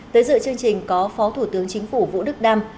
tới dự chương trình có phó thủ tướng chính phủ vũ đức đam